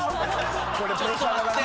⁉これプレッシャーだな。